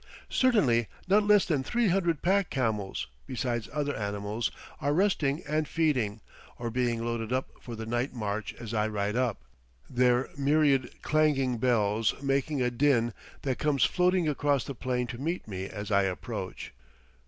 Certainly not less than three hundred pack camels, besides other animals, are resting and feeding, or being loaded up for the night march as I ride up, their myriad clanging bells making a din that comes floating across the plain to meet me as I approach.